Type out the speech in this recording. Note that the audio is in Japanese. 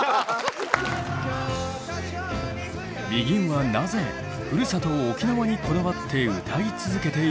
ＢＥＧＩＮはなぜふるさと沖縄にこだわって歌い続けているのか？